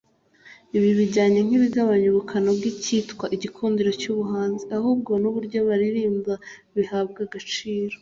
Ibi byabaye nk’ibigabanya ubukana bw’icyitwaga igikundiro ku bahanzi ahubwo n’uburyo baririmba bihabwa agaciro